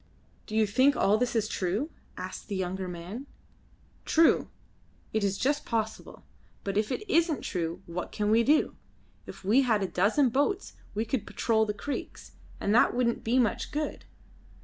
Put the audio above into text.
"Do you think all this is true?" asked the younger man. "True! It is just possible. But if it isn't true what can we do? If we had a dozen boats we could patrol the creeks; and that wouldn't be much good.